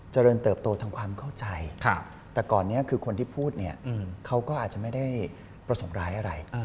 เจริญเติบโตทางความเข้าใจแต่ก่อนนี้คือคนที่พูดเนี่ยเขาก็อาจจะไม่ได้ประสงค์ร้ายอะไร